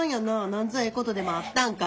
なんぞええことでもあったんか？